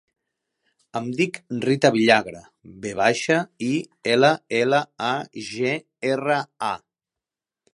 Em dic Rita Villagra: ve baixa, i, ela, ela, a, ge, erra, a.